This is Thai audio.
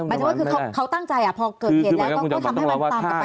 ถึงว่าคือเขาตั้งใจพอเกิดเหตุแล้วก็ทำให้มันตามกลับไป